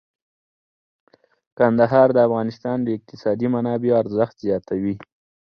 کندهار د افغانستان د اقتصادي منابعو ارزښت زیاتوي.